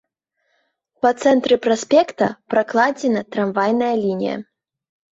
Па цэнтры праспекта пракладзена трамвайная лінія.